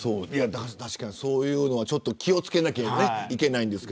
確かにそういうのは気を付けなければいけないです。